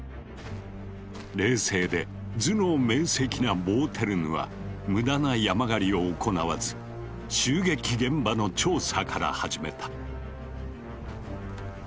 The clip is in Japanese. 冷静で頭脳明せきなボーテルヌは無駄な山狩りを行わず襲撃現場の調査から始めた。